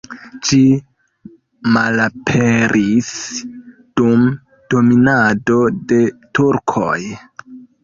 Ĝi malaperis dum dominado de turkoj.